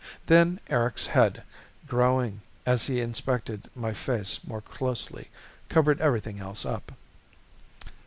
Then Erics' head, growing as he inspected my face more closely, covered everything else up.